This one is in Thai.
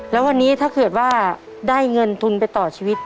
แล้ววันนี้ถ้าเกิดว่าได้เงินทุนไปต่อชีวิต